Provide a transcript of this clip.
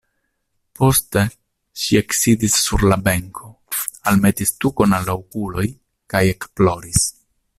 Poste ŝi eksidis sur la benko, almetis tukon al la okuloj kaj ekploris.